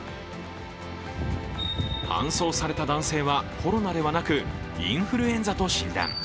搬送された男性はコロナではなく、インフルエンザと診断。